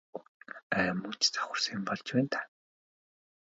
Ай мөн ч завхарсан юм болж байна даа.